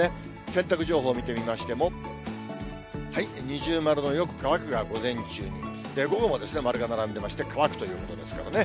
洗濯情報見てみましても、二重丸のよく乾くが午前中に、午後も丸が並んでまして、乾くということですからね。